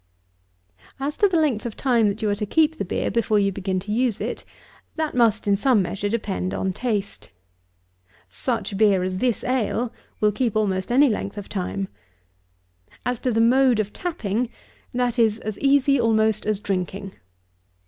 50. As to the length of time that you are to keep the beer before you begin to use it, that must, in some measure, depend on taste. Such beer as this ale will keep almost any length of time. As to the mode of tapping, that is as easy almost as drinking.